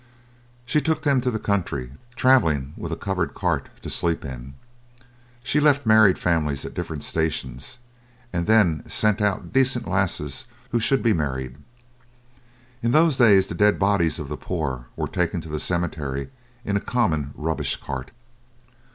She took them to the country, travelling with a covered cart to sleep in. She left married families at different stations, and then sent out decent lasses who should be married. In those days the dead bodies of the poor were taken to the cemetery in a common rubbish cart.